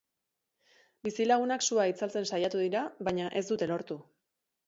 Bizilagunak sua itzaltzen saiatu dira, baina ez dute lortu.